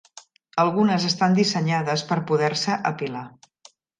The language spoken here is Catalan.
Algunes estan dissenyades per poder-se apilar.